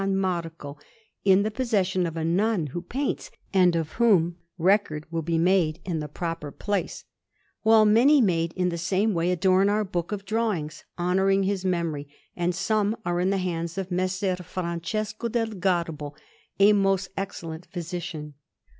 Marco, in the possession of a nun who paints, and of whom record will be made in the proper place; while many made in the same way adorn our book of drawings, honouring his memory, and some are in the hands of Messer Francesco del Garbo, a most excellent physician.